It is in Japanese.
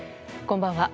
こんばんは。